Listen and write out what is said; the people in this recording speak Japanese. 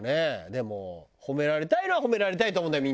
でも褒められたいのは褒められたいと思うんだよ